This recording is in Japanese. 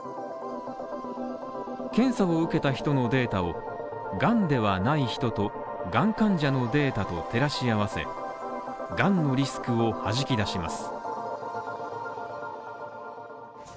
検査を受けた人のデータをがんではない人とがん患者のデータと照らし合わせがんのリスクをはじき出します。